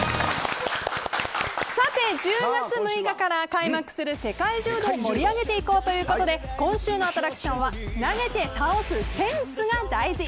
１０月６日から開幕する世界柔道を盛り上げていこうということで今週のアトラクションは投げて倒すセンスが大事！